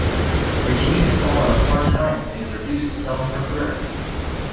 Virginia has fallen on hard times and is reduced to selling her furs.